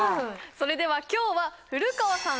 それでは今日は古川さん